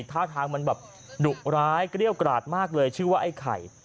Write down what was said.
ท่าทางมันแบบดุร้ายเกรี้ยวกราดมากเลยชื่อว่าไอ้ไข่